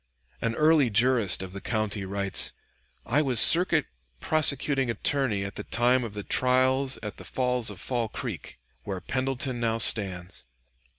An early jurist of the country writes: "I was Circuit Prosecuting Attorney at the time of the trials at the falls of Fall Creek, where Pendleton now stands.